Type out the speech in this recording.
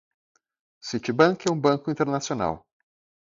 Citibank é um banco internacional.